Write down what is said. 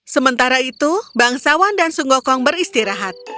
sementara itu bangsawan dan sun gokong beristirahat